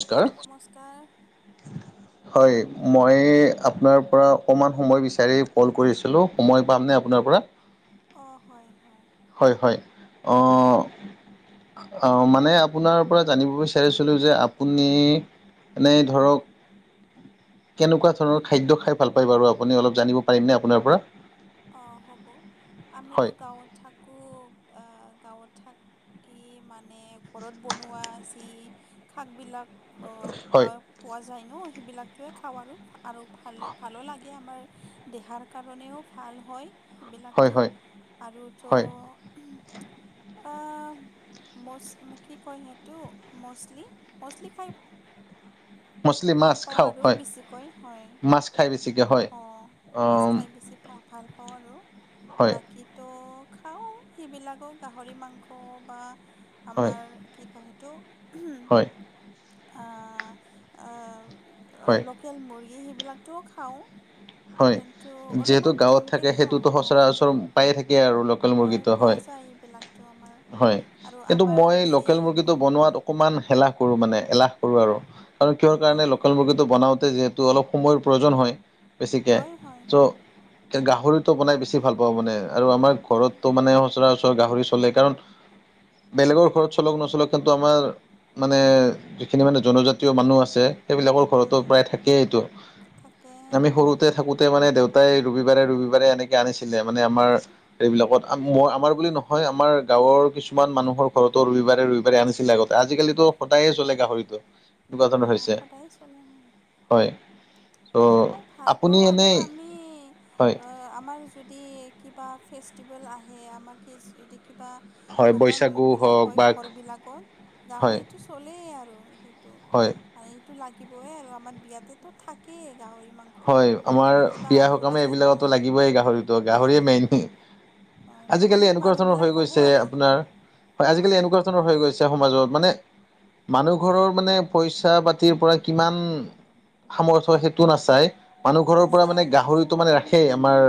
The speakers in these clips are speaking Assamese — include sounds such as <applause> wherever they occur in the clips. নমস্কাৰ নমস্কাৰ। <inaudible> হয়, মই আপোনাৰ পৰা অকমান সময় বিচাৰি কল কৰিছিলো। সময় পামনে আপোনাৰ পৰা? অ, হয়, হয়। হয়, হয়, অ অ মানে আপোনাৰ পৰা জানিব বিচাৰিছিলো যে আপুনি এনেই ধৰক। কেনেকোৱা ধৰণৰ খাদ্য খাই ভাল পায় বাৰু আপুনি অলপ জানিব পাৰিমনে আপোনাৰ পৰা। অ, হ'ব। আমিতো হয় গাঁৱত থাকো, এ গাঁৱত থাক কি মানে ঘৰত বনোৱা যি শাকবিলাক <unintelligible> পা হয় পোৱা যায় ন সেইবিলাকটোৱে খাওঁ আৰু, আৰু ভালো ভালো লাগে আমাৰ দেহাৰ কাৰণেও ভাল হয়। হয় সেইবিলাকতো হয় আৰু তো হয় আ। মচ কি কয় সেইটো মছলি মছলি খাই মছলি ভাল মাছ পাওঁ খাওঁ আৰু হয় বেছিকৈ হয়, মাছ খাই বেছিকৈ হয় অ মাছ অঁ, খাই বেছি ভা ভাল পাওঁ আৰু হয় বাকী ত খাওঁ সেইবিলাকো গাহৰি মাংস বা হয় আমাৰ কি কয় সেটো উম, হয় আহ, আহ, আহ হয় লক- কেল মুৰ্গী সেইবিলাকতো খাওঁ। হয় কিন্তু যিহেতু অলপমান গাঁৱত কমকৈ থাকে খাওঁ সেইটোতো অঁ সচৰাচৰ পায়ে থাকে আৰু। লোকেল মুগিটো পোৱা হয়, যায় এইবিলাকতো আমাৰ হয়, আৰু এতিয়া টো আমাৰ মই যি লোকেল মুগিটো অঁ বনুৱাত অকণমান হেলাহ কৰো মানে এলাহ কৰো আৰু কাৰণ কিয় কাৰণে অঁ লোকেল মুৰ্গী বনাওঁতে যিহেতু অলপ সময়ৰ প্ৰয়োজন হয় বেছিকে হয় হয় হয় য- গাহৰিটো বনাই বেছি ভাল পাওঁ মানে আৰু আমাৰ ঘৰতটো মানে সচৰাচৰ গাহৰি চলে। কাৰণ বেলেগৰ ঘৰত চলক নচলক কিন্তু আমাৰ মানে যিখিনি মানে জনজাতীয় মানুহ আছে সেইবিলাকৰ ঘৰতো অঁ প্ৰায় থাকে এইটো। থাকে। আমি সৰুতে থাকোতে মানে দেউতাই ৰবিবাৰে ৰবিবাৰে এনেকে আনিছিলে। মানে আমাৰ এইবিলাকত মই আমাৰ বুলি নহয়, আমাৰ গাঁৱৰ কিছুমান মানুহৰ ঘৰতো ৰবিবাৰে ৰবিবাৰে আনিছিল আগতে, আজিকালি ত‌ সদায়ে চলে গাহৰিটো এনেকুৱা ধৰণ অঁ হৈছে। সদায় চলে হয়। চ খাই ভাল পাওঁ আৰু আমি হয় আমাৰ যদি কিবা ফেষ্টিভেল আহে, আমাৰ কিছ যদি কিবা হয় প্ৰগ্ৰাম বৈশাগু বিলাক হওক হয় বা ঘৰ বিলাকত হয় গাহৰিতো চলে আৰু সেইটো, হয় মানে এইটো লাগিবয়ে আৰু আমাৰ বিয়াতেতো থাকেই গাহৰি মাংস। হয় আমাৰ নহ'লে কিবা বিয়া আধৰুৱা সকামে যেন এইবিলাকতো আৰু লাগিবই গাহৰিটো গাহৰিয়ে হয় হয় মেইন। আজিকালি নহ'লে এনেকুৱা ধৰণৰ মানুহবিলাক হৈ ক'ব গৈছে আৰু আপোনাৰ হয়, আজিকালি হয় এনেকুৱা ধৰণৰ হৈ গৈছ- ছে সমাজত মানে মানুহ ঘৰৰ মানে পইচা পাতিৰ পৰা কিমান সামৰ্থ সেইটো নাচাই। মানুহ ঘৰৰ পৰা মানে নাচায় গাহৰিতটো মানে ৰাখেই আমাৰ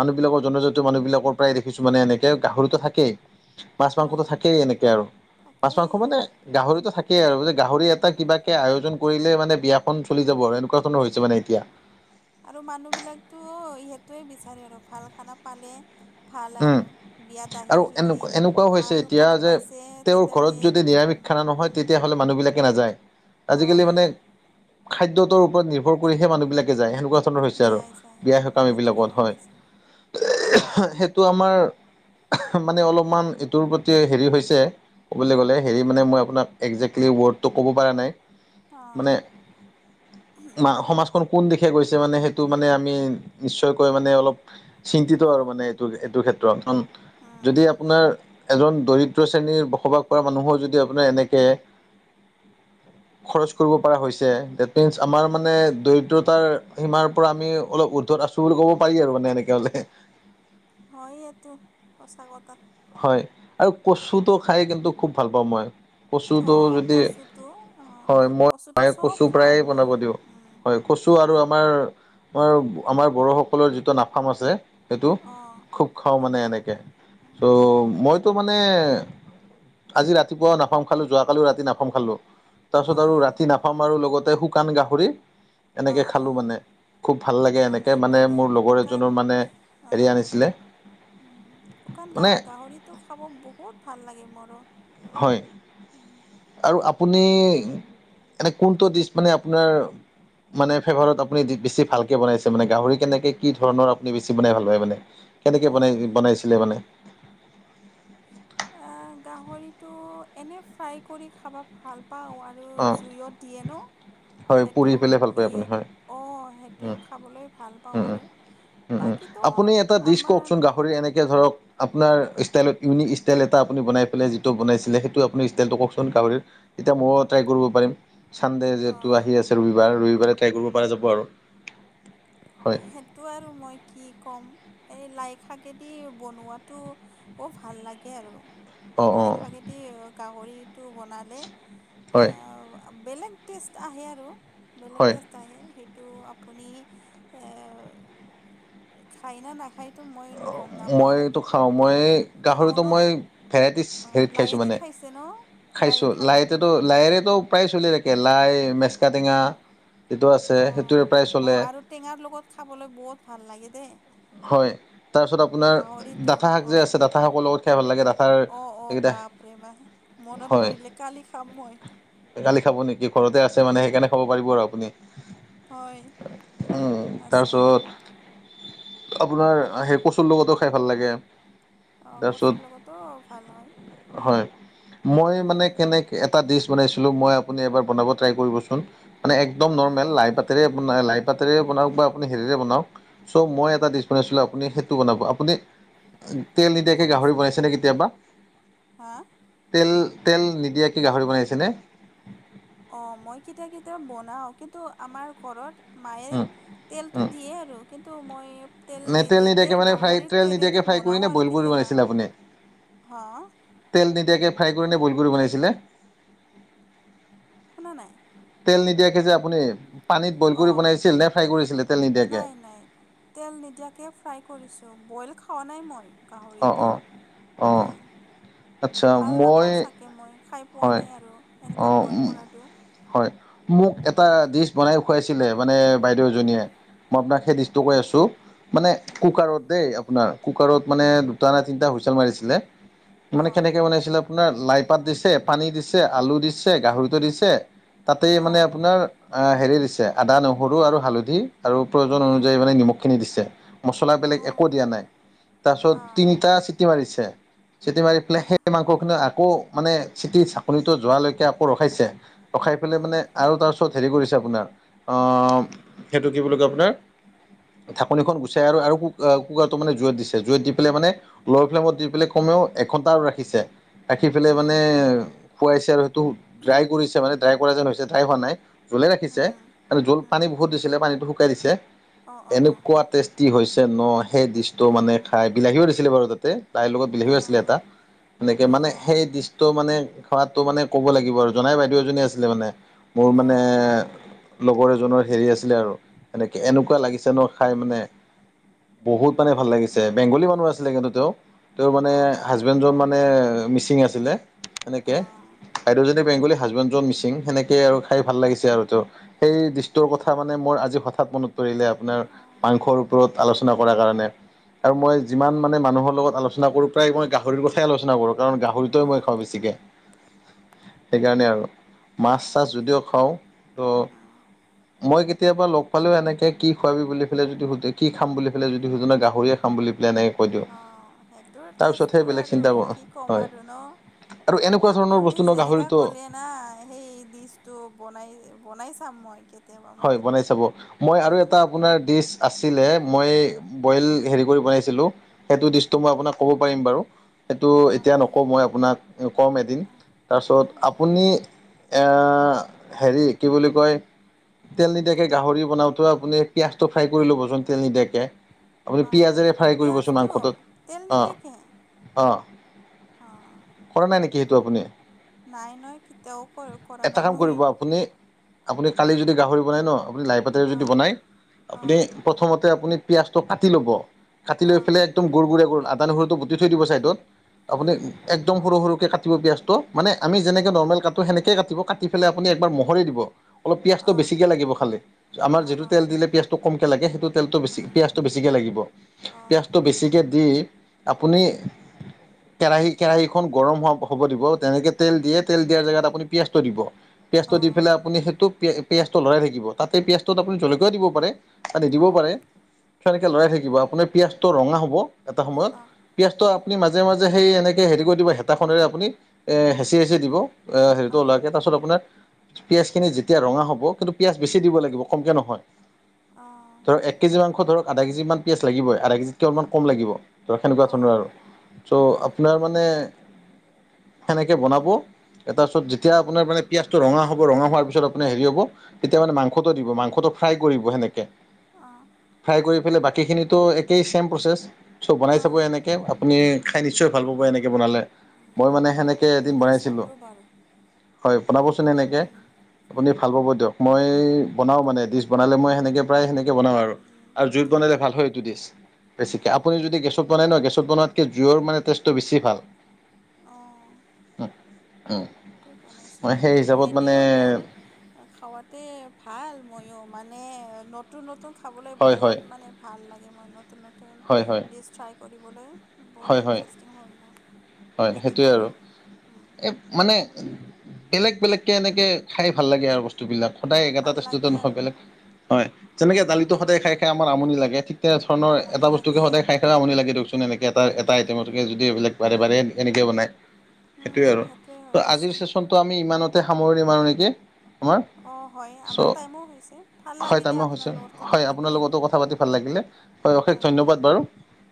মানুহ বিলাকৰ জনজাত- ত মানুহবিলাকৰ প্ৰায় দেখিছো মানে এনেকে গাহৰিতটো থাকে। মাছ হয় মাংসটো থাকেই এনেকে আৰু মাছ, থাকেই মাংস মানে আৰু গাহৰিতটো থাকেই আৰু গাহৰি এটা কিবাকে আয়োজন কৰিলে মানে বিয়াখন চলি যাব আৰু এনেকুৱা ধৰণৰ হৈছে অঁ মানে এতিয়া। আৰু মানুহবিলাকতো সেইটোৱে বিচাৰে আৰু ভাল খানা পালে ভাল উম আৰু বিয়াত আৰু আহি যদি এনেকুৱা এনেকুৱাও হৈছে ভাল এতিয়া খানা যে পাইছে তেওঁৰ তেতিয়া ঘৰত হ'লে যদি নিৰামিষ খানা নহয় তেতিয়া হ'লে মানুহবিলাকে নাযায়। আজিকালি হয় মানে খাদ্যতৰ ওপৰতনিৰ্ভৰ কৰিহে মানুহ বিলাকে যায় সেনেকোৱা খণ্ডৰ হৈছে আৰু যায় যায় বিয়া সকাম এই এনেকুৱা হৈ বিলাকত গৈছে হয়। সেইটো আমাৰ মানে অলপমান এইটোৰ প্ৰতি হেৰি হৈছে। ক'বলৈ গ'লে হেৰি মানে মই আপোনাক একজেক্টলি ৱৰ্ডটো ক'ব পৰা নাই, অঁ মানে তাৰ সমাজখন কোন দিশে গৈছে মানে সেইটো মানে আমি নিশ্চয়কৈ মানে অলপ চিন্তিত আৰু মানে এইটো এইটো ক্ষেত্ৰত কাৰণ যদি আপোনাৰ এজন দৰিদ্ৰ শ্ৰেণীৰ বসবাস কৰা মানুহৰ যদি আপোনাৰ এনেকে খৰচ কৰিব পৰা হৈছে ডেট মিনচ আমাৰ উম, মানে দৰিদ্ৰতাৰ সীমাৰ পৰা আমি অলপ উদ্ধত আছো বুলি ক'ব পাৰি, আৰু মানে এনেকে হলে। হয় এটো সঁচা কথা। হয় আৰু কচুটো খাই কিন্তু খুব ভাল পাওঁ মই। কচুটো অঁ যদি কচুটো অঁ হয় মই কচুটো মায়ে চব কচু প্ৰায়ে খাওঁ মই বনাব দিওঁ উম, হয়। কচু আৰু আমাৰ আমাৰ আমাৰ বড়োসকলৰ যিটো নাফাম আছে। সেইটো অঁ খুব খাওঁ মানে নাপাম এনেকৈ ত' মইতো মানে আজি ৰাতিপুৱা নাফাম খালোঁ যোৱাকালিও ৰাতি নাফাম খালোঁ। তাৰপাছত আৰু অঁ ৰাতি নাপাম আৰু লগতে শুকান গাহৰি এনেকে অঁ খালোঁ অঁ মানে। খুব ভাল অঁ লাগে ভালে এনেকে মানে ভালে মোৰ লগৰ শুকান এজনৰ মানে হেৰি আনিছিলে। শুকান মানে গাহৰিটো খাব বহুত ভাল লাগে মোৰো। হয়। উম, আৰু আপুনি এনে কোনটো ডিছ মানে আপোনাৰ মানে ফেভাৰত আপুনি বেছি ভালকে বনাইছে মানে গাহৰি কেনেকে কি ধৰণৰ আপুনি বেছি বনাই ভাল পায় মানে। কেনেকে বনাই উম, বনাইছিলে মানে। গাহৰিতটো এনে ফ্ৰাই কৰি খাব ভাল পাওঁ আৰু আৰু অ জুইয়ত দিয়ে ন হয় পুৰি পেলাই ভাল পায় আপুনি হয়। সেটো অ সেটো। উম খাবলৈ ভাল পাওঁ উম উম। আৰু বাকীতো আমাৰ। খুৰী এনেকে ধৰক আপোনাৰ ষ্টাইলত ইউনিক ষ্টাইল এটা আপুনি বনাই পেলাই যিটো বনাইছিলে সেইটো আপুনি ষ্টাইলটো কওঁকচোন গাহৰিৰ। এতিয়া ময়ো ট্ৰাই কৰিব পাৰিম। চানডে যিহেতু অঁ আহি আছে ৰবিবাৰ ৰবিবাৰে ট্ৰাই কৰিব পৰা যাব আৰু হয়। সেইটো আৰু মই কি ক'ম এই লাই শাকেদি বনোৱাটো। মোৰ ভাল লাগে আৰু অ', লাই অ', শাকেদি গাহৰিটো বনালে হয়, অ বেলেগ টেষ্ট আহে আৰু বেলেগ হয়। টেষ্ট আহে সেইটো আপুনি এই খায় না নাখায় তো মই গম নাপাওঁ মইতো কিন্তু খাওঁ মই বহুতে খাওঁ গাহৰিটো ন। মই ভেৰাইটিছ অ হেৰিত খাইছোঁ লাইদি মানে। খাইছে ন লাই খাইছোঁ শাকতো লাইতেতো দি অ লাইৰেতো প্ৰায় চলি থাকে লাই মেচকাটেঙা যিটো আছে অঁ সেইটোও প্ৰায় অঁ চলে। আৰু টেঙাৰ লগত খাবলৈ বহুত ভাল লাগে দেই। হয় তাৰপিছত আপোনাৰ গাহৰিটো ডাঠা শাক যে অঁ আছে ডাঠা শাকৰ লগত খাই ভাল লাগে ডাঠাৰ। অ এইকেইটা বাহ ৰে বাহ মনত হয় পৰিলে কালি খাম মই। কালি খাব নেকি ঘৰতে আছে মানে সেইকাৰণে খাব পাৰিব আৰু আপুনি। হয় উম আছে তাৰপিছত, আপোনাৰ সেই কচুৰ লগতো খাই ভাল লাগে। অ তাৰপিছত কচুৰ লগতো ভাল হয়। হয়। মই মানে কেনে এটা ডিছ বনাইছিলোঁ মই আপুনি এবাৰ বনাব ট্ৰাই কৰিবচোন, মানে একদম নৰ্মেল অঁ লাই পাতেৰে লাই পাতেৰে বনাওঁক, বা আপুনি হেৰিৰে বনাওঁক চ' মই এটা ডিছ বনাইছিলোঁ আপুনি সেইটো বনাব আপুনি। তেল নিদিয়াকে গাহৰি ক'বচোন বনাইছে নে কেতিয়াবা? হা তেল তেল নিদিয়া কে গাহৰি বনাইছিলে। অ মই কেতিয়া কেতিয়া বনাওঁ কিন্তু আমাৰ ঘৰত মায়ে উম, তেলটো উম, দিয়ে আৰু কিন্তু মই তেল নে নিদিয়াকে মানে ফ্ৰাই গাহৰিৰ তেল নিদিয়াকে তেলেদি ফ্ৰাই কৰি বনাও নে আৰু বইল কৰি কেতিয়াবা বনাইছিলে আপুনি? হ তেল নিদিয়াকে ফ্ৰাই কৰি নে বইল কৰি বনাইছিলে্ শুনা নাই। তেল নিদিয়াকে যে আপুনি পানীত বইল কৰি অঁ বনাইছিল নে ফ্ৰাই কৰিছিলে তেল নিদিয়াকে? নাই নাই তেল নিদিয়াকে ফ্ৰাই কৰিছোঁ বইল খোৱা নাই মই। অ', গাহৰিটো অ', অ', হয় আচ্ছা ভাল মই নাপাওঁ চাগে মই খাই। পোৱা হয় নাই আৰু এনেকুৱা অহ বইল কৰাটো হয় মোক এটা হয় ডিছ বনাই খুৱাইছিলে মানে বাইদেউ এজনীয়ে মই আপোনাক সেই ডিশটো কৈ আছোঁ। মানে উম, কুকাৰত দেই আপোনাৰ কুকাৰত মানে দুটা নে তিনিটা হুইচেল মাৰিছিলে। মানে অঁ কেনেকে বনাইছিলোঁ আপোনাৰ লাই পাত দিছে পানী দিছে আলু দিছে গাহৰিটো দিছে। তাতেই মানে অঁ আপোনাৰ হেৰি দিছে আদা নহৰু আৰু হালধি আৰু প্ৰয়োজন অঁ অনুযায়ী মানে নিমখ খিনি দিছে মছলা অঁ বেলেগ অঁ একো দিয়া নাই। তাৰপিছত তিনিটা চিটি মাৰিছে। চিটি মাৰি পেলাই অঁ সেই মাংসখিনি আকৌ মানে চিটি চাকনিটো যোৱালৈকে আকৌ ৰখাইছে ৰখাই পেলাই অঁ মানে আৰু তাৰপিছত হেৰি কৰিছে আপোনাৰ সেইটো কি বুলি কয় আপোনাৰ ঢাকনিখন গুচাই আৰু কু কুকাৰটো মানে জুইয়ত দিছে জুইয়ত দি পেলাই মানে ল' ফ্লেমত দি পেলাই কমেও এঘণ্টা ৰাখিছে ৰাখি পেলাই অঁ মানে খুৱাইছে আৰু সেইটো ড্ৰাই কৰিছে মানে ড্ৰাই কৰা যেন হৈছে ড্ৰাই হোৱা নাই জোলে অ অ অ অ অ অ অ অ ৰাখিছে মানে জোল পানী বহুত দিছিলে পানীটো শুকাই দিছে অ এনেকুৱা টেষ্ট টি হৈছে ন সেই ডিচটো মানে খাই বিলাহীও দিছিলে বাৰু তাতে তাইৰ লগত বিলাহী আছিলে এটা এনেকে মানে সেই ডিচটো মানে খোৱাটো মানে ক'ব লাগিব আৰু জনাই বাইদেউ এজনী আছিলে মানে মোৰ মানে লগৰ এজনৰ হেৰি আছিলে আৰু সেনেকে এনেকুৱা লাগিছে ন খাই মানে বহুত মানে ভাল লাগিছে বেংগলী মানুহ আছিলে কিন্তু তেওঁ তেওঁৰ মানে অ অ অ অ হাজবেণ্ডজন মান নে মিচিং আছিলে সেনেকে বাইদেউ জনি বেংগলী হাজবেণ্ডজন মিচিং সেনেকে আৰু খাই ভাল লাগিছে আৰু তেওঁ সেই দৃষ্টোৰ কথা মানে মোৰ আজি হঠাৎ মনত পৰিলে আপোনাৰ মাংসৰ ওপৰত আলো চনা কৰাৰ কাৰণে আৰু মই যিমান মানে মানুহৰ লগত আলচনা কৰো প্ৰায় মই গাহৰিৰ কথাই আলোচনা কৰো কাৰণ গা গাহৰিতোৱে মই খাওঁ বেছিকে সেইকাৰণে আৰু মাছ চাছ যদিও খাওঁ ত মই কেতিয়াবা লগ পালেও এনেকে কি খুৱাবি বুলি পেলে যদি সুধে কি খাম বুলি পেলে যদি সুধে নহয় গাহৰিয়ে। খাম বুলি পেলা এনেই। অ সেইটোৰ টেষ্টটো আৰু চিন্তা কি ক'ম হয় আৰু ন। আৰু এনেকুৱা ধৰণৰ আপুনি বস্তু ন যেনেকা গাহৰিটো ক'লে। না সেই ডিচটো বনাই বনাই চাম মই কে হয় বনাই চাব মই আৰু এটা আপোনাৰ ডিছ আছিলে মই বইল হেৰি কৰি বনাইছিলোঁ সেইটো ডিচটো মই আপোনাক ক'ব পাৰিম বাৰু সেইটো অ এতিয়া কি নকওঁ মই আপোনাক ক'ম এদিন অ তাৰপিছত অ হ'ব আপুনি এয়া হেৰি কি বুলি কয়? তেল নিদিয়াকে গাহৰি বনাওঁতে আপুনি পিয়াঁজটো ফ্ৰাই কৰি ল'বচোন তেল নিদিয়াকে আপুনি অ পিঁয়াজেৰে ফ্ৰাই কৰিবচোন পিঁয়াজটো মাংসটোত তেল অ নিদিয়াকৈ অ অঁশ কৰা নাই নেকি সেইটো আপুনি নাই নহয় কেতিয়াও কৰোঁ কৰা এটা নাই কাম মই কৰিব আপুনি আপুনি কালি যদি গাহৰি বনায় ন আপুনি লাই পাতেৰে যদি অঁ বনায় আপুনি অঁ প্ৰথমতে আপুনি পিয়াজটো কাটি ল'ব কাটি লৈ অঁ পেলে একদম গুৰ গুৰিয়া কৰি আদা, নহৰুটো। দি থৈ দিব ছাইডত আপুনি উম একদম সৰু সৰুকৈ কাটিব পিঁয়াজটো। মানে আমি উম যেনেকে নৰ্মেল কাটো সেনেকে কাটো কাটি পেলে আপুনি একবাৰ মহাৰি দিব অলপ পিয়া টো অঁ বেছিকে লাগিব খালি আমাৰ অহ যিটো তেল দিলে পিয়াঁজটো কমকে লাগে সেইটোত। তেলটো বেছি উম পিয়াঁজটো বেছিকে লাগিব অঁ পিয়াঁজটো বেছিকে দি। আপুনি কেৰাহী কেৰাহীখন গৰম হ হ'ব দিব তেনেকে। তেল দিয়ে তেল দিয়াৰ জেগাত আপুনি পিয়াঁজটো দিব পিয়াঁজটো দি অঁ পেলাই আপুনি সেইটো পি পিঁয়টো লৰাই থাকিব তাতে পিয়াঁজটোত আপুনি জলকীয়াও দিব পাৰে। তাত নিদিবও অঁ পাৰে সেনেকে লৰাই থাকিব আপোনাৰ পিয়াঁজটো ৰঙা হ'ব। এটা সময়ত, অঁ পিয়াঁজটো অঁ অঁ আপুনি মাজে মাজে সেই এনেকে হেৰি কৰি দিব, হেতা খনেৰে আপুনি এই হেঁচি উম হেঁচি দিব অ হেৰিটো অঁ ওলোৱাকে, তাৰপিছত আপোনাৰ পিঁয়াজখিনি যেতিয়া ৰঙা হ' ব কিন্তু পিয়াঁজ বেছি দিব লাগিব, কমকে নহয়। অঁ। ধৰ এক কেজি মাংস ধৰক আধা কেজিমান পিয়াঁজ লাগিবৈ, আধা কেজিতকে অলমান কম লাগিব। ত' সেনেকুৱা অঁ ধৰণৰ আৰু চ উম অঁ অঁ উম আপোনাৰ মানে সেনেকে বনাব। এটা চউত যেতিয়া আপোনাৰ পিয়াঁজটো ৰঙা হ'ব ৰঙা হোৱাৰ পিছত আপুনি হেৰি হ'ব। তেতিয়া মানে মাংসটো দিব মাংসটো ফ্ৰাই কৰিব সেনেকে। অ ফ্ৰাই কৰি পেলে বাকীখিনিটো একেই চেম প্ৰচছ চ' বনাই চাব অঁ এনেক। হে আপুনি উম খাই নিশ্চয় ভাল পাব এনেকে বনালে। মই মানে সেনেকে কে এদিন বনাই চাম বনাইছিলোঁ। ৰ'বা আৰু হয়' বনাবচোন এনেকে উম আপুনি ভাল পাব দিয়ক। মই বনাও মানে ডিচ বনালে মই সেনেকে প্ৰায় সেনেকে বনাওঁ আৰু। উম আৰু জুইত বনালে ভাল হয় এইটো দিছ। বেছিকে উম আপুনি যদি গেছত বনাই ন, গেছত বনোৱাতকৈ জুইয়ৰ মানে তেজ টো বেছি ভাল। অঁ <unintelligible> সেইটো বনাই চাব মই সেই বাৰু। হিচাপত মানে এনেও মোৰ খোৱাতে ভাল ময়ো। মানে নতুন নতুন খাবলৈ হয় হয় বহুত মানে ভাল লাগে। মই নতুন নতুন হয় হয় ন ডিছ ট্ৰাই কৰিবলৈ, বহুত ইণ্টাৰেষ্টিং হ'য় মোৰ, হয় সেইটোৱে এনেকাই আৰু। এই মানে বেলেগ বেলেগকে এনেকে খাই ভাল লাগে আৰু বস্তু বিলাক। সদায় বৰ একেটা ভাল টষ্টুতে লাগে নহয় আৰু বেলেগ। হয় তেনেকে অঁ দালিতো বেলেগ সদায় খাই বেলেগ খাই আমাৰ আমনি লাগে। থিক তেনেধৰনয় আমনি এটা বস্তুকে লাগে সদায়াই খাই খাই আমনি লাগে দিয়কচোন, এনেকে এটা হয় এটা হয় আইটিমত। যুগে যুগে এইবিলাক বাৰে বাৰে এনেকে বনাই। সেইটোৱেই আৰু সেইটোৱে ত হৈ আজিৰ গৈছে চেচত ত আমি ইমানতে সামৰনি মাৰো নেকি আমাৰ? অঁ হয় আমাৰ চ' টাইমো হৈছে ভাল হয় লাগিলে তাৰমানে হৈছ, আপোনাৰ লগত কথা হয় পাতি আপোনাৰ আৰু লগতো কথা পাতি ভাল লাগিলে। হয় অশেষ ধন্যবাদ বাৰু।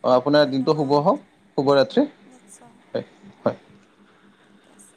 অ আপোনাৰ দিনটো শুভ ধন্যবাদ হওক, শুভৰাত্ৰি। নিশ্চয়। হয় হয় অঁ ঠিক আছে